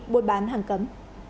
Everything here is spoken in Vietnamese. buôn bán hàng cấm